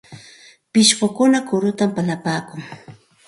Pishqukuna kurutam palipaakun.